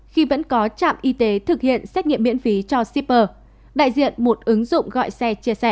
khi vẫn có trạm y tế thực hiện xét nghiệm miễn phí cho shipper đại diện một ứng dụng gọi xe chia sẻ